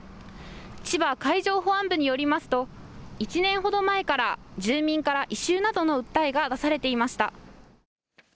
千葉海上保安部によりますと１年ほど前から住民から異臭などの訴えが出されていました。